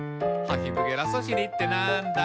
「ハヒブゲラソシリってなんだ？」